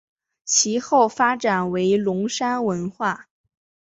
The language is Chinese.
其后发展为龙山文化。